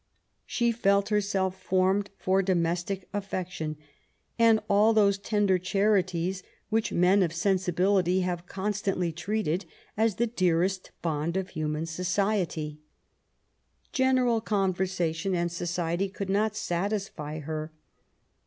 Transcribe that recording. She felt herself formed for domestic affection, and all those tender charities which 110 MABY W0LL8T0NEGBAFT GODWIN. men of sensibility haye constantly treated as the dearest bond of hmnan society. General conversation and society coold not satisfy her.